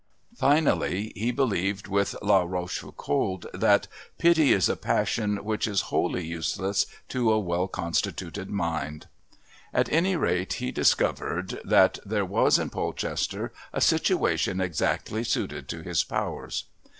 Finally he believed with La Rochefoucauld that "Pity is a passion which is wholly useless to a well constituted mind." At any rate he discovered that there was in Polchester a situation exactly suited to his powers.